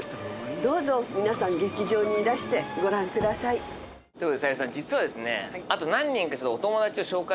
どうぞ皆さん劇場にいらしてご覧ください。ということで小百合さん実は。いいですか？